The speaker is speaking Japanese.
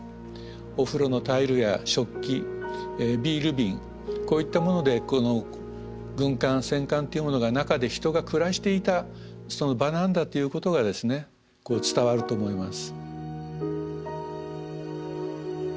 お風呂のタイルや食器ビール瓶こういったものでこの軍艦戦艦というものが中で人が暮らしていた場なんだということがですね伝わると思います。